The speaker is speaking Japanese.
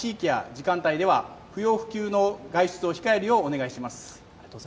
警戒が必要な時間帯では不要不急の外出を控えるようにお願いします。